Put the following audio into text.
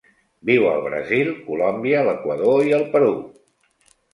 Viu al Brasil, Colòmbia, l'Equador i el Perú.